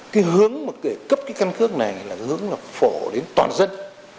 cái hướng để cấp cái căn cước này là hướng phổ đến toàn dân